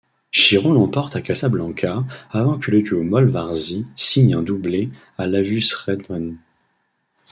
Chiron l'emporte à Casablanca avant que le duo Moll-Varzi signe un doublé à l'Avusrennen.